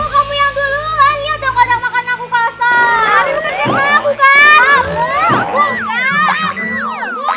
kamu kerjaan malah aku kan